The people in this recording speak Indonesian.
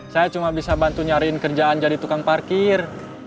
saya cuma bisa bantu nyariin kerjaan jadi tukang parkir